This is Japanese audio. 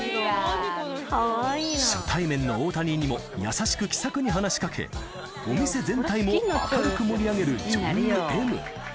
初対面の大谷にも優しく気さくに話しかけ、お店全体も明るく盛り上げる女優Ｍ。